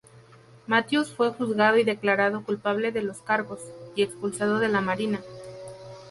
Mathews fue juzgado y declarado culpable de los cargos, y expulsado de la marina.